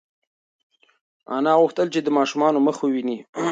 انا غوښتل چې د ماشوم مخ وویني.